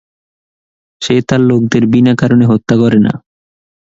সে তার লোকদের বিনা কারণে হত্যা করে না!